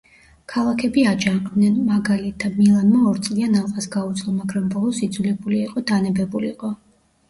ქალაქები აჯანყდნენ: მაგალითა, მილანმა ორწლიან ალყას გაუძლო, მაგრამ ბოლოს იძულებული იყო, დანებებულიყო.